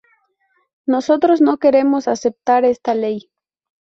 Nosotros no queremos aceptar esta ley.